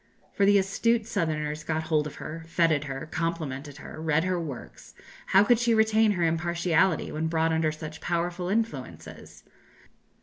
For the astute Southerners got hold of her, fêted her, complimented her, read her works; how could she retain her impartiality when brought under such powerful influences?